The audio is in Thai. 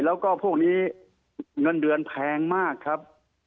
แล้วก็พวกนี้เงินเดือนแพงมากครับ